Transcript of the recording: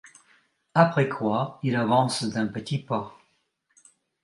Après quoi, il avance d'un petit pas.